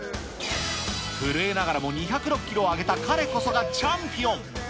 震えながらも２０６キロを挙げた彼こそがチャンピオン。